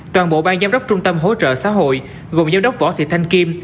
toàn bộ ban giám đốc trung tâm hỗ trợ xã hội gồm giám đốc võ thị thanh kim